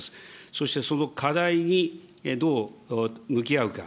そして、その課題にどう向き合うか。